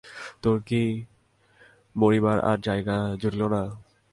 তোর কি মরিবার আর জায়গা জুটিল না?